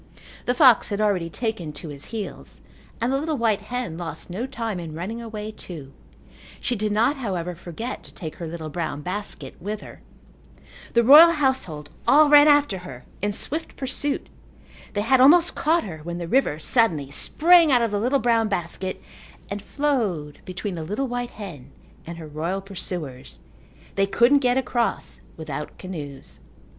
The fox had already taken to his heels and the little white hen lost no time in running away too. She did not, however, forget to take her little brown basket with her. The royal household all ran after her in swift pursuit. They had almost caught her when the river suddenly sprang out of the little brown basket and flowed between the little white hen and her royal pursuers. They couldn't get across without canoes.